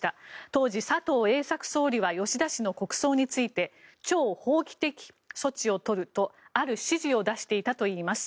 当時、佐藤栄作総理は吉田氏の国葬について超法規的措置を取るとある指示を出していたといいます。